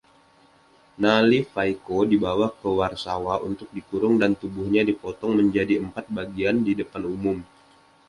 Nalivaiko dibawa ke Warsawa untuk dikurung dan tubuhnya dipotong menjadi empat bagian di depan umum.